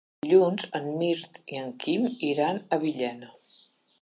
Dilluns en Mirt i en Quim iran a Villena.